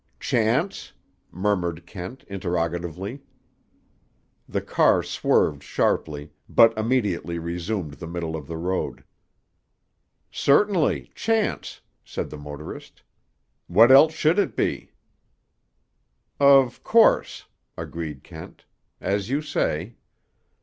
"Chance?" murmured Kent interrogatively. The car swerved sharply, but immediately resumed the middle of the road. "Certainly, chance," said the motorist. "What else should it be?" "Of course," agreed Kent. "As you say."